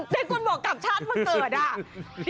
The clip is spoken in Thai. แต่คุณบอกกลับชาติมาเกิดอ่ะ